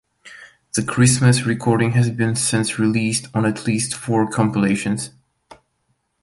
The Christmas recording has been since released on at least four compilations.